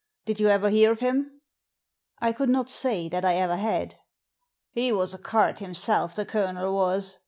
Did you ever hear of him ?" I could not say that I ever had "He was a card himself, the Colonel was.